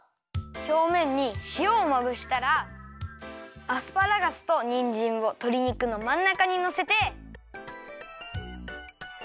ひょうめんにしおをまぶしたらアスパラガスとにんじんをとり肉のまんなかにのせて。